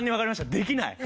できない。